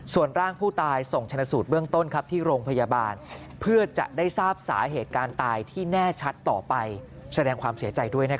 ส่วนร่างผู้ตาย